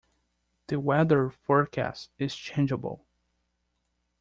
The weather forecast is changeable.